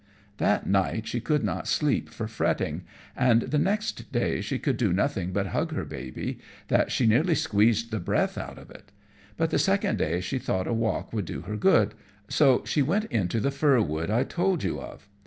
That night she could not sleep for fretting, and the next day she could do nothing but hug her baby, that she nearly squeezed the breath out of it; but the second day she thought a walk would do her good, so she went into the fir wood I told you of.